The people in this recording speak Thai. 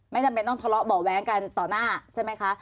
จำเป็นต้องทะเลาะเบาะแว้งกันต่อหน้าใช่ไหมคะ